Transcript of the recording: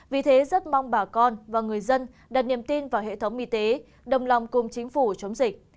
vì thế rất mong bà con và người dân đặt niềm tin vào hệ thống y tế đồng lòng cùng chính phủ chống dịch